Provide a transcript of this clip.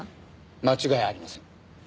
間違いありません。